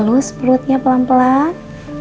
lus perutnya pelan pelan